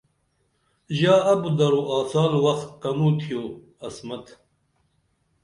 ژا ابُت درو آڅال وخ کنوں تِھیو عصمت